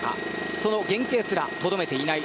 その原形すらとどめていない。